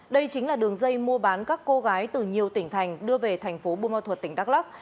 đây chính là đường dây mua bán các cô gái từ nhiều tỉnh thành đưa về thành phố bù ma thuật tỉnh đắk lắc